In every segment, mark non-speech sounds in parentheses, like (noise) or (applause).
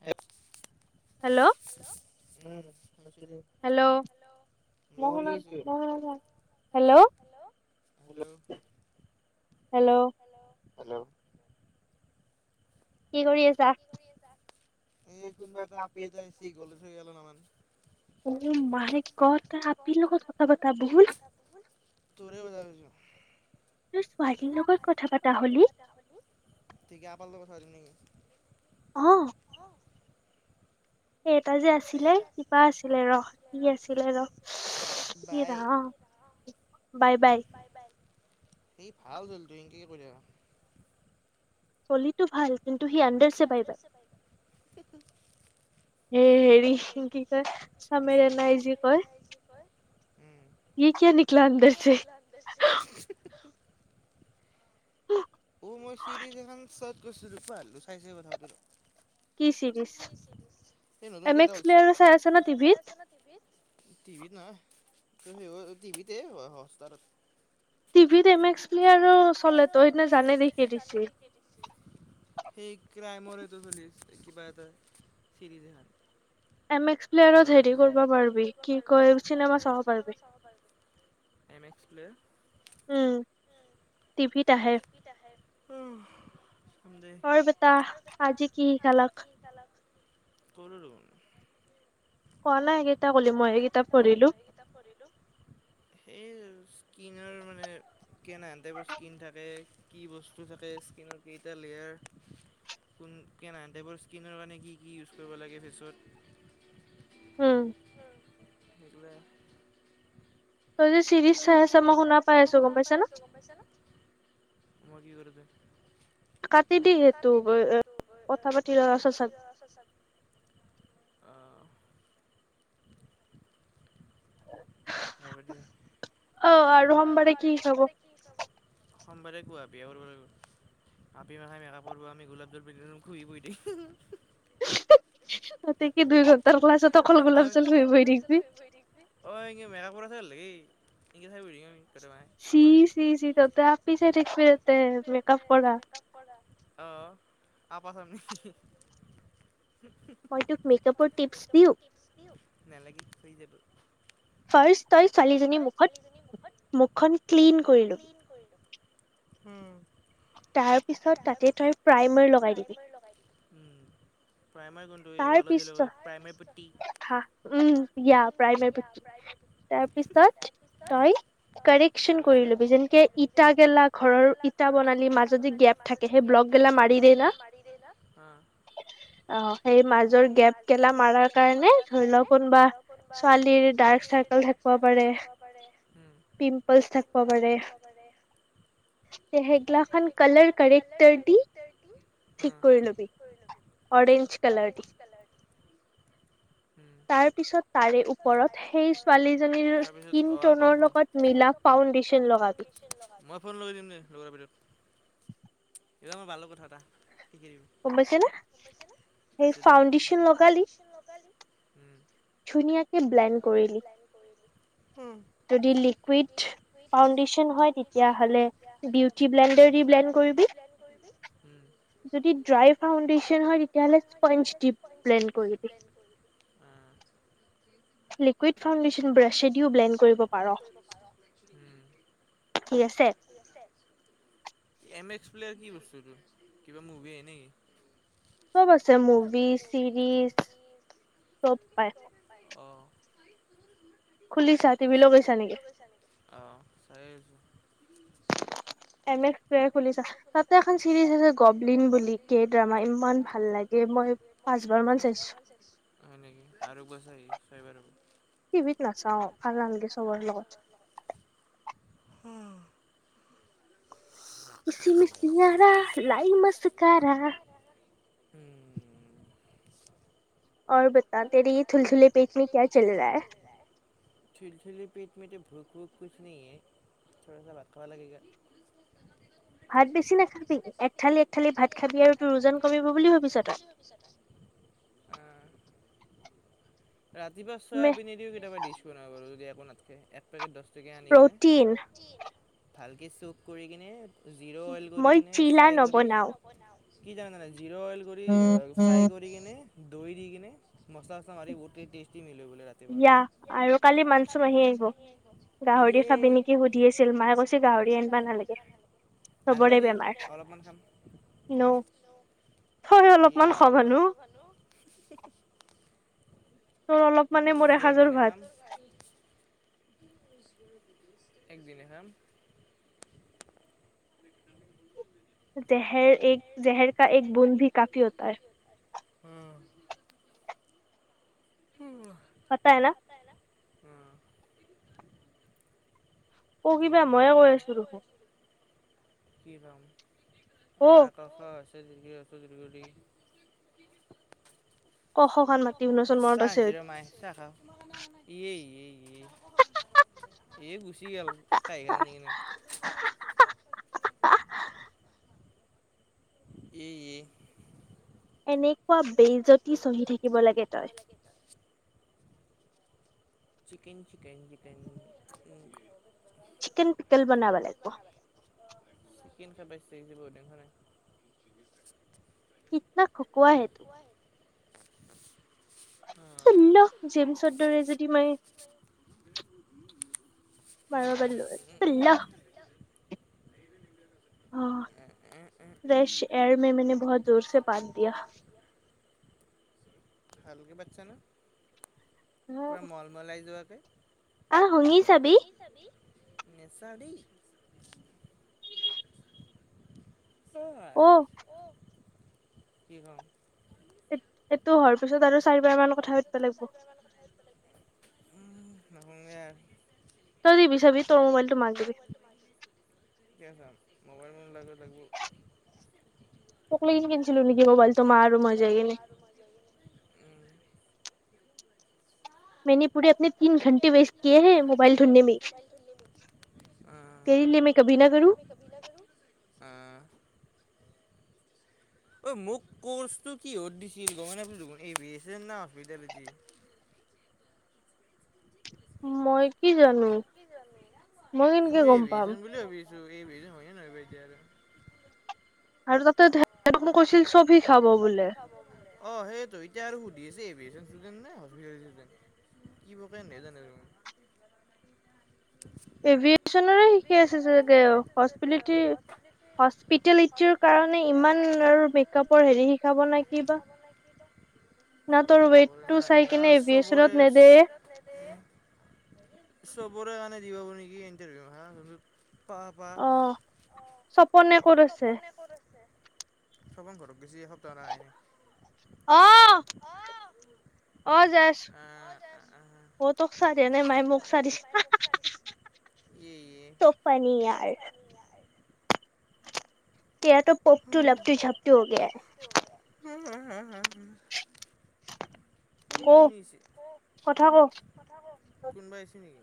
Hello hello um hello hello. মই হোনিছো। Hello, hello, hello hello, কি কৰি আছা। অ মাই গত তই আপিৰ লগত কথা পতা ভুল। তই ছোৱালীৰ লগত কথা পাতা হলি। তাৰ হলি। (unintelligible) কথা পাতিম নেকি। অ এই এটা যে আছিলে কিবা আছিলে ৰ কি আছিলে ৰ। এই ৰাম বাই বাই। সেই ভাল (unintelligible) এনকে কি কৰি থাকা। কলিতো ভাল কিন্তু সি আণ্ডাৰছে বাই বাই। হে হেৰি কি কয় চামেৰে নাই যি কয়। এই কি নিক য়ে কিয়া নিকলা আন্দাৰচে। (unintelligible) অ মই চিৰিজ এখন শ্বট কৰিছিলো পালো চাইছে কথা পাতো। কি চিৰিছ? সেই নতুন কেইটা উচিত মেক্সপিলিয়াৰত চাই আছ নে টিভিত। টিভিত নহয় সেই টিভিতে হয় হষ্টাৰত। টিভিত এ মে টিভিত এমেক্সিনি আৰু চলেটো যে জানে দেখি দিছে। সেই ক্ৰাইমৰ এটো চলিচ কিবা এটা চিৰিজ এ হয়। (unintelligible) কৰিব পাৰিবি কি কয় চিনেমা চাব পাৰিবি। MX play. টিভিত আহে', টিভিত আহে', হুমম', কৰিম দে, ওই বেটা আজি‌ কি খালা? কলোঁ দেখোন', কোৱা নাই কেইটা কৰলি, মই সেই কিতাপ পঢ়িলোঁ', কিতাপ পঢ়িলোঁ', সেই স্কিনৰ মানে কেনেহ টাইপৰ স্কিন থাকে। কি বস্তু থাকে স্কীনৰত কেইটা লেয়াৰ। কোন কেনে টেপৰ স্কিনৰ কাৰণে কি কি ইউজ কৰিব লাগে ফেচত। (unintelligible) সেইটোৱে। তই যে চিৰি তই যে চিৰিচ চাই আছ মই শুনা পাই আছোঁ, গম পাইছা নে, মই কি কৰিম দে', কাতি দিওঁ সেইটো ব', -এ', কথা পাতি আছে চব', আহ', হ'ব দে', অ', আৰু সোমবাৰে কি চাব? কি চাব? সোমবাৰে কোৱা বিয়া কৰিবলৈ গ'ল', আপি মাখাই মেকাপ কৰবো আমি গোলাপ জল পিছত ঘূৰি-ফুৰি দিম, উম', -উম', -উ', উম', -হিঃ', -হিঃ', দুই ঘণ্টাৰ পিছত অকল গলাপ জল ধৰি ঘূৰি ফুৰি থাকিবি', অ', এনকৈ মেকাপ কৰা আছে নিচিনা লাগেই, এনকৈ চাবি', কতো নাই আপা কেইটা, চি', -চি', -চি', তহঁতে আপি চাই থাকিবি তেন্তে, মেকআপ', কৰা‌ আহ', আপা চাম নেকি, হিঃ', -হিঃ', হিঃ', -হিঃ', মই তোক মেকআপৰ টিপচ দিওঁ? নেলাগে হৈ যাব', ফাৰ্ষ্ট তই ছোৱালীজনী মুখত, মুখখন ক্লিন কৰি লবি', ক্লিন কৰি ল', উম', তাৰপিছত তাতে তাৰ প্ৰাইমাৰ লগাই দিবি', উম', প্ৰাইমাৰ কোনটো? এই ওৱালত যে‌ লগাই প্ৰাইমাৰ পট্টি', হা', উম', ইয়া', প্ৰাইমাৰ পট্টি', হুম', -হুম', তাৰপিছত', তই তাৰ, তাৰপিছত, কালেকচন কৰি লবি, যেনকে ইটা গেলা ঘৰৰ ইটা বনালি মাজত', যে গেপ থাকে যে ব্লক গেলা মাৰি দেনা', হা', অহ', সেই মাজৰ গেপ গেলা মাৰাৰ কাৰণে ধৰি লও কোনোবা ছোৱালীৰ ডাৰ্ক চাৰ্কুল থা', হ'ব পাৰে, পিম্পলছ থাকিব পাৰে', তে', সেগলাখন কালাৰ কেৰেক্টাৰ দি ঠিক কৰি লবি', অৰেঞ্জ', অৰেঞ্জ কালাৰ', তাৰ পিছত তাৰে ওপৰত সেই ছোৱালীজনীৰ স্কিনটনৰ লগত', মিলা ফাউণ্ডেশ্যন লগাবি', ক্ৰীম লগাবি, মই ফোন লগাই দিম দে লগাৰ ভিতৰত', এইগিলা মোৰ ভালৰ কথা এটা', কি ক্ৰীম? শুনি পাৰিছ ন, পাইছোঁ দেই, ফাউণ্ডেশ্যন লগালি', ধুনীয়াকে ব্লেড কৰিলি, হা', যদি লিকুইড ফাউণ্ডেশ্যন হয় তেতিয়া হ'লে বিউটি ব্লেইণ্ডাৰ ডি বেইণ্ড', কৰিবি', উম', যদি ড্ৰাই ফাউণ্ডেশ্যন হয় তেতিয়া হ'লে স্পঞ্জ দি ব্লেইণ্ড কৰিবি', উম', লিকুইড ফাউণ্ডেশ্যন ব্ৰাশেদিও ব্লেণ্ড কৰিব পাৰোঁ', ঠিক আছে', ঠিক আছে', এম এক্স প্লেয়াৰ কি বস্তুটো কিবা মুভি হয় নেকি? চব আছে মুভিজ, চিৰিজ, চব পাই', অহ', খুলিছা, টিভি লৈ গৈছা নেকি? চা নেকি? অ' চাই আছোঁ। তাতে এখন চলি আছে, গভলিং বুলি, ইমান ভাল লাগে। মই পাঁচবাৰ মান চাইছোঁ। হয় নেকি? আৰু একবাৰ চাই আহিবি, ছয়বাৰ হ'ব। টিভিত নাচাওঁ', ভাল নালাগে চবৰ লগত', ইছিমিচিয়াৰা লাই মছকাৰা', উম', অৰ বাতা তেৰি থুলথুলে পেট মে কিয়া চল ৰাহা হে? থিলঠিলি পেট মে ত ভূক', - ভূক', কুছ নেহি হে', চবে ভাত খাব লাগেগৈ। ভাত নিচিনা, এক থালি এক থালি ভাত খাবি আৰু ওজন কমিব বুলি ভাবিছ তই! আ ৰাতিপুৱা চয়াবিনেদিয়ো কেতিয়াবা ডিছ বনাব পাৰো, যদি একো নাথাকে। পেকেট দছটকীয়া আনি কিনে, প্ৰ'টিন, ভালকে চক কৰি কিনে। জিৰ' অইল কৰি কিনে ফ্ৰাই কৰি, কি জান জানা জিৰ' অইল কৰি ফ্ৰাই কৰি কিনে, দৈ দি কিনে, মছলা-চচলা মাৰি বহুতে টেষ্টি মিল বুলে- য়াহ, আৰু কালি মানচু মাহী আহিব। গাহৰি খাবি নেকি? সুধি আছিল। মাই কৈছে গাহৰি আনিব নালাগে। আনবা দি, অলপমান খাম। তই অলপমান খোৱা মানুহ! একো নহয় দে, একদিনহে খাম। একদিনেহে খাম। জেহৰ এক, জেহৰ কা এক বুন্দ ভি কাফি হতা হে। হুম। উম। পাতা হে না? পাতা হে না? অ'। অ' কিবা ময়ে কৈ আছো দেখোন। কি কম? অ আ ক খ ই ঈ উ ঊ ঋ চাহ আনচি ৰ মাই, চাহ খাওঁ ইয়ে ইয়ে ইয়ে, এ গুচি গেল। কাঁহীখন আনি কিনে। (inaudible) ইয়ে, ইয়ে। এনেকুৱা বেইজতি চহি থাকিব লাগে তই। Chicken chicken chicken chicken pickle বনাবা লাগিব। চিকেন খাই পাইছে (unintelligible) কিতনা খকোৱা হে তো। আ উম উম। এ এ এ এ। ভালকে পাতছা না? পুৰা মলমলাই যোৱাকে। আহ শুঙি চাবি। নেচাও দেই। অ', কি কম? এইটো হোৱাৰ পিছত আৰু উম, নকং দে আৰু তই টিভি চাবি। তোৰ মোবাইলটো মাক দিবি। কিয় চাম? মোবাইল মোৰ লগত লাগিব। তোক লেকি কিনিছিলো নেকি মোবাইলটো মা আৰু মই যাই কিনে! উম (unintelligible) আহ, আহ। অঐ মোক ক'ৰ্চটো কিহত দিছিল গমে নাপালো ব দেখোন এই ভি এছ না, হস্পিটলিটি? মই কি জানো? মই এই (unintelligible) ভাবি আছো, (unintelligible) হয় নে নহয় বা এতিয়া আৰু! আৰু তাতে (unintelligible) কৈছিল চবে খাব। অ' সেইটো। এতিয়া আৰু সুধি আছে এভিয়েচন ষ্টুডেণ্ট নে হস্পিতেল ষ্টুডেণ্ট! কি বকে নেজানে আৰু এভিয়েচনৰে শিকি আছে চাগে হস্পিটিলিটি হচ হস্পিটেলিটিৰ কাৰণে ইমান আৰু পেকআপৰ হেৰি হিকাব নে কি ক? কি বা না চবৰে (unintelligible) চবৰে কাৰণে দিবাব নেকি ইটাৰভিউ হা য়োনতো পা-পা। চপনে ক'ত আছে? সপ ঘৰত গেছি, এসপ্তাহ না আহ নাই। আহ। অ যাইছ, অ'তোক চা দিয়া নাই মাই মোক চা দিছে। (unintelligible) ইএ, ইএ। চ পানিয়াৰ। কিয়াতটো পপটটো, লপটু, ঝপটো হৈ গ (unintelligible) হম -হম -হম -হম হ। কুন আইছে, কোনবা আইছ নেকি?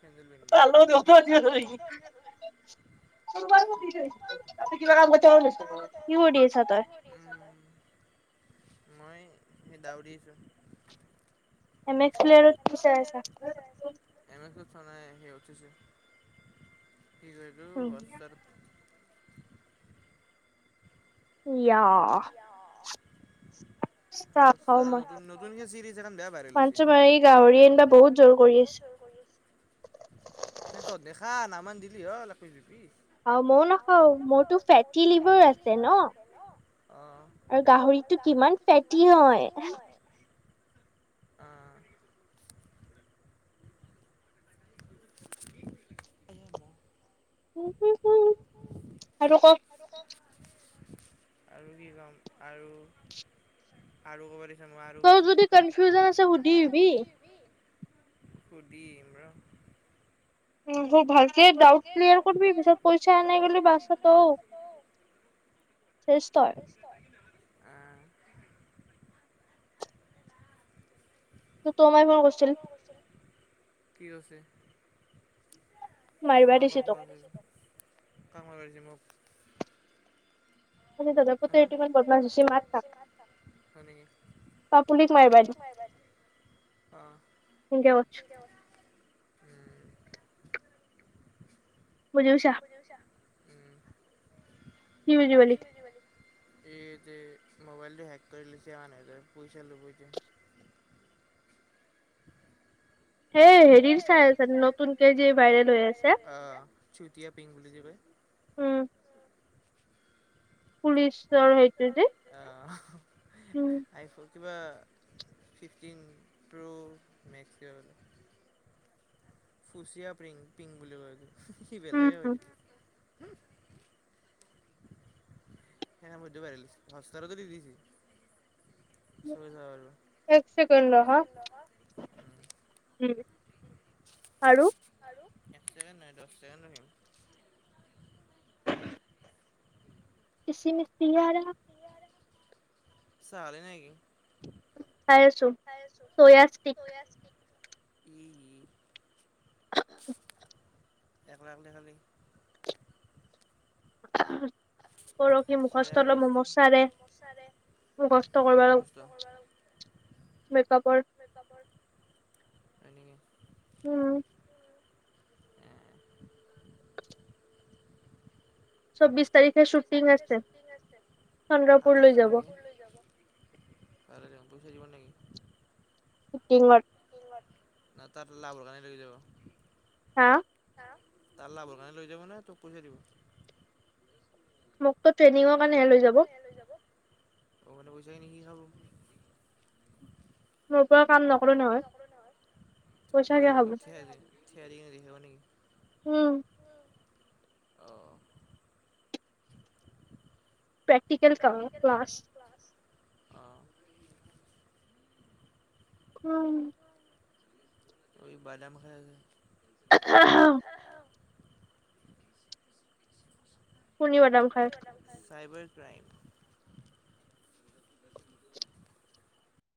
তেন্দল পি (unintelligible) (unintelligible) কি কৰি আছা তই? মই সে দাউৰিছোঁ। এনেক্স প্লেয়াৰত কি চায় আছা? এনেক্সচত চোৱা নাই, সেইযত চাইছো। কি কয় এইটো হোৱাটছআৰ ইযহ। অ চ ন নতুন কে চিৰিচ এখন বেয়া ভাইৰেল হৈছে। ধানটো মাৰি গাহৰি এনিবা বহুত জোৰ কৰিছে। স তই দেখা, নামান দিলি হল এপিজ, দুপিচ। আ মও নাখাওঁ, মোৰতো ফেজিলিভাৰ আছে। গাহৰিটো কিমান ফেটি হয়। অ স হ ন (unintelligible) হুম উম হুম আৰু কওক? আৰু ক'ক? আৰু কি কম আৰু আৰু ক'ব নুৱাৰু কৈছো, ত'ই যদি কনফিউজন আছ সোদি আহিবি। শুদিম ৰ। উম ভালকে ডাউত ক্লিয়াৰ (unintelligible) পিছত পইচা আনে গলে বাচত ত শেষ তয়। হয় আ। (unintelligible) (unintelligible) কি কৈছে? (unintelligible) সাদাপুত্ৰ এটি ম বদমাছ মাত থাক পাপুলিক মাৰিবা এটো। (unintelligible) (unintelligible) অহ (unintelligible) বুজিপাইছা? বোজিপাইছা? উম। কি বুজি পালি? বুজি পালি এই যে মোবাইলটো হেক কৰি লৈছে আন এজনে পইচা লব এতিয়া। হেই হেৰিৰ চাই আছে নতুনকে যি ভাইৰেল হৈ আছে। উম। (unintelligible) কিবা ফিফটিন, প্ৰ' মেক্স কিবাকৰি। ফুচিয়া প্ৰিংক, পিংক বুলি কয় সি বেলেগ হয় দে। খেনে মধ্য পাৰিলিচ, হস্তেলতো দিদিছি। চবে যাও আৰু, (unintelligible) উম, আৰু আৰু এক ছেকেণ্ড নহয় দছ ছেকেণ্ড ৰখিম। কছি মিচস্ত্ৰি ইয়াৰা। চালে নেকি চাইছো ছয়াইচপিক কিগি একলা একলি খালি। পৰহি মুখস্থ লম হোমৱৰ্ক চাৰে। কিহৰ মুখস্থ। মেকআপৰ। মেকআপৰ হয় নেকি। উম। চৌবিছ। চব্বিশ তাৰিখে শুটিং আছে সাতাইশ তাৰিখে চন্দ্ৰপুৰ লৈযাব। কাইলে যাম পইচা দিবা নেকি? ছুটিংঅট তিঙত ন তাত লাও লগালে লৈ যাব হা। হা‌, তা লাভৰ কাৰণে লৈ যাব নে তোক পইচা দিব। মোকতো ট্ৰেইনিঙৰ কাৰণেহে লৈ যাব। অ মানে পইচা খিনি সি খাব ধয্য কাম নকৰো নহয়, কি কৰিবে টোচ্ছে যে দে কিনে দেখিব নেকি? (unintelligible) উম অ প্ৰেকটিকেল কৰ ক্লাছ। অ ওম ঐ ই বাদাম খায়‌ আছে (unintelligible) কোনো বাদাম খায়। Cyber crime.